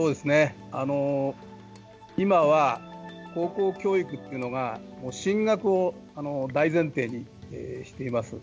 今は、高校教育というのが進学を大前提にしています。